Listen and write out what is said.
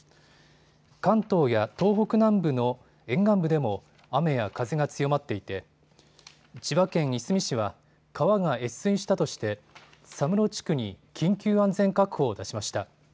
関東や東北南部の沿岸部でも雨や風が強まっていて千葉県いすみ市は川が越水したとして佐室地区に緊急安全確保を出しました。